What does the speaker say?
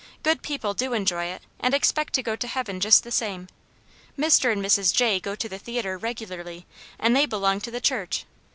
Good people do enjoy it, and expect to go to heaven just the same. Mr. and Mrs. Jay go to the theatre regularly, and they belong to the church.